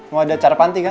mau ada cara panti kan